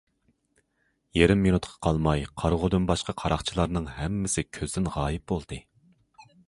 يېرىم مىنۇتقا قالماي قارىغۇدىن باشقا قاراقچىلارنىڭ ھەممىسى كۆزدىن غايىب بولدى.